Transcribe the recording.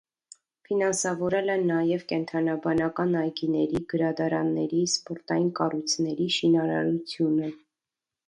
Ֆինանսավորել են նաև կենդանաբանական այգիների, գրադարանների, սպորտային կառույցների շինարարությունը։